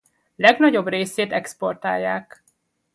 Legnagyobb részét exportálják.